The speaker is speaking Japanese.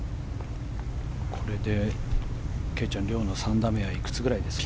これで圭ちゃん遼の３打目はいくらぐらいですか？